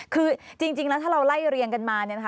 คือจริงแล้วถ้าเราไล่เรียงกันมาเนี่ยนะคะ